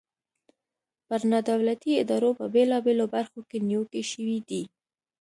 پر نا دولتي ادارو په بیلابیلو برخو کې نیوکې شوي دي.